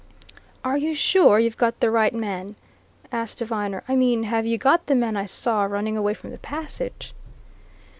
"Are you sure you've got the right man?" asked Viner. "I mean have you got the man I saw running away from the passage?"